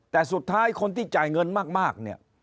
แต่สุดท้ายคนที่จ่ายเงินมากเนี่ย